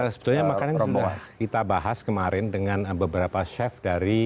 sebetulnya makanan yang sudah kita bahas kemarin dengan beberapa chef dari